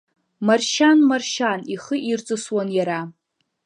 Маршьан, Маршьан, ихы ирҵысуан иара.